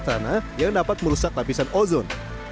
tanah yang dapat merusak lapisan ozon